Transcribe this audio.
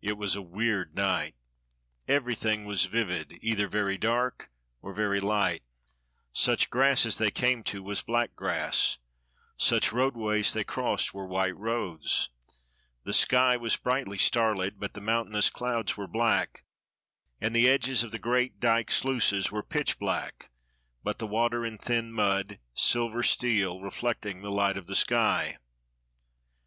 It was a weird night. Everything was vivid, either very dark or very light ; such grass as they came to was black grass; such roadways they crossed were white roads ; the sky was brightly starlit, but the mountainous clouds were black, and the edges of the great dyke sluices were pitch black, but the water and thin mud, silver steel, reflecting the light of the sky.